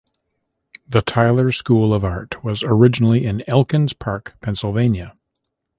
The Tyler School of Art was originally in Elkins Park, Pennsylvania.